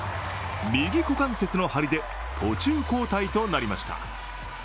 右股関節の張りで途中交代となりました。